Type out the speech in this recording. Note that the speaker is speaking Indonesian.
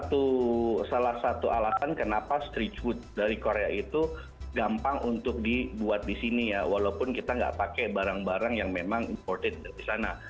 itu salah satu alasan kenapa street food dari korea itu gampang untuk dibuat di sini ya walaupun kita nggak pakai barang barang yang memang imported dari sana